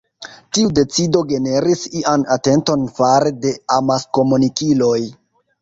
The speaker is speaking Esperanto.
Tiu decido generis ian atenton fare de amaskomunikiloj.